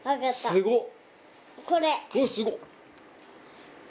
すごっ